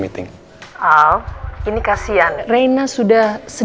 dia nungguin kalian dari tadi dia takut kalian nggak dateng